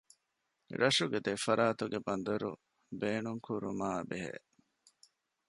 ރަށުގެ ދެފަރާތުގެ ބަނދަރު ބޭނުންކުރުމާ ބެހޭ